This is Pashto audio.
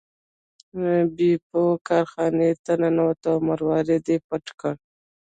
بیپو کارخانې ته ننوت او مروارید یې پټ کړ.